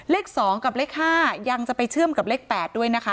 เลข๒กับเลข๕ยังจะไปเชื่อมกับเลข๘ด้วยนะคะ